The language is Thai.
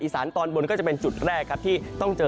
สานตอนบนก็จะเป็นจุดแรกครับที่ต้องเจอ